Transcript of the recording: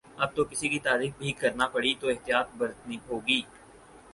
اب تو کسی کی تعریف بھی کرنا پڑی تو احتیاط برتنی ہو گی